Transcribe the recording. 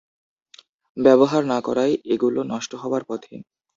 ব্যবহার না করায় এগুলো নষ্ট হওয়ার পথে।